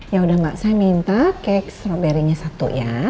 ya udah mbak saya minta cake stroberinya satu ya